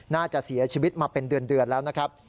น่าจะเสียชีวิตมาเป็นเดือนแล้วนะครับ